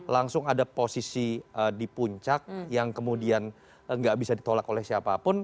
langsung ada posisi di puncak yang kemudian nggak bisa ditolak oleh siapapun